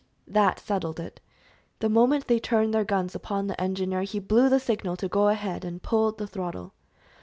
That settled it. The moment they turned their guns upon the engineer he blew the signal to go ahead, and pulled the throttle.